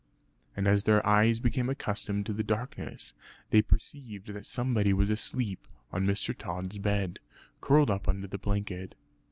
And as their eyes became accustomed to the darkness, they perceived that somebody was asleep on Mr. Tod's bed, curled up under the blanket.